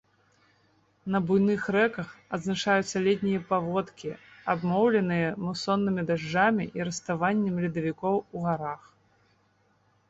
На буйных рэках адзначаюцца летнія паводкі, абумоўленыя мусоннымі дажджамі і раставаннем ледавікоў у гарах.